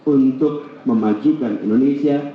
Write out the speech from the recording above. untuk memajukan indonesia